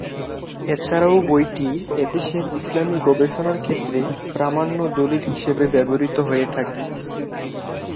এছাড়াও বইটি এদেশের ইসলামি গবেষণার ক্ষেত্রে প্রামাণ্য দলিল হিসাবে ব্যবহৃত হয়ে থাকে।